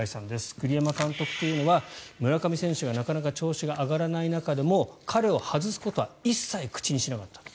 栗山監督というのは村上選手がなかなか調子が上がらない中でも彼を外すことは一切口にしなかった。